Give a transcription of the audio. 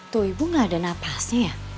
tuh ibu gak ada napasnya ya